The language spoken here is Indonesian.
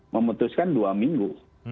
memutuskan dua minggu